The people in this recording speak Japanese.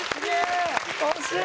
惜しい！